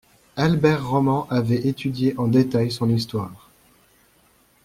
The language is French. Albert Roman avait étudié en détail son histoire.